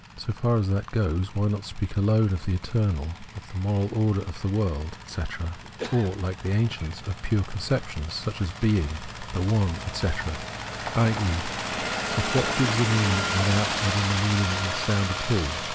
So far as that goes, why not speak alone of the eternal, of the moral order of the world, etc., or, Hke the ancients, of pure conceptions such as being, the one, etc., i.e. of what gives the meaning without adding the mean ingless sound at all